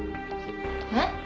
えっ？